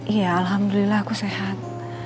iya alhamdulillah aku sehat